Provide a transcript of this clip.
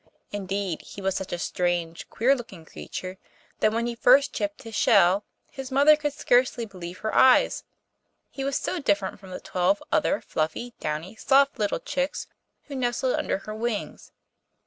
Indeed, he was such a strange, queer looking creature, that when he first chipped his shell his mother could scarcely believe her eyes, he was so different from the twelve other fluffy, downy, soft little chicks who nestled under her wings.